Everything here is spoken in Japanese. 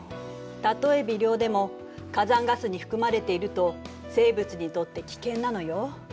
たとえ微量でも火山ガスに含まれていると生物にとって危険なのよ。